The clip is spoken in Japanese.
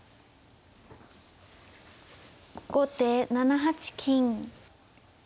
後手７八金。